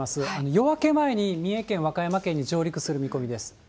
夜明け前に三重県、和歌山県に上陸する見込みです。